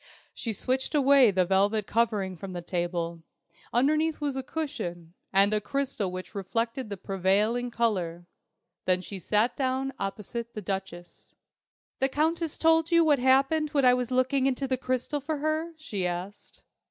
She switched away the velvet covering from the table. Underneath was a cushion, and a crystal which reflected the prevailing colour. Then she sat down opposite the Duchess. "The Countess told you what happened when I was looking into the crystal for her?" she asked.